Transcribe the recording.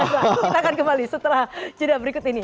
kita akan kembali setelah jeda berikut ini